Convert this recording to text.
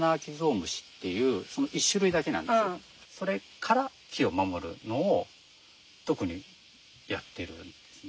それから木を守るのを特にやってるんですね。